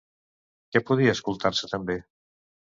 Què podia escoltar-se també?